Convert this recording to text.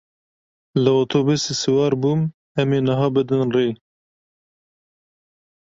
Li otobûsê siwar bûm, em ê niha bidin rê.